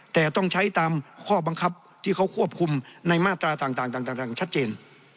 แต่ต้องใช้ตามข้อบังคับที่เขาควบคุมในมาตราต่างชัดเจน